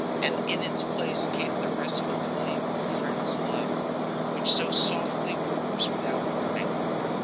And in its place came the restful flame of a friend's love, which so softly warms without burning.